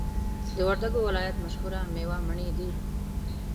د وردګو ولایت مشهوره میوه مڼی دی